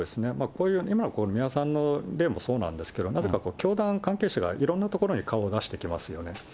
こういう、今の美馬さんのそうなんですけど、なぜか教団関係者がいろんな所に顔を出していきますよね。